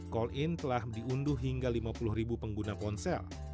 call in telah diunduh hingga lima puluh ribu pengguna ponsel